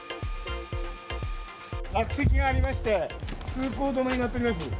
落石がありまして、通行止めになっております。